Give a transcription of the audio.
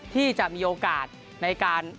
ที่จะมีโอกาสในการ